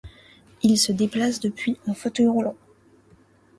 Il se déplace depuis en fauteuil roulant.